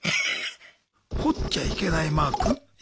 掘っちゃいけないマークね。